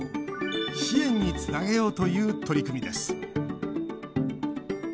支援につなげようという取り組みです。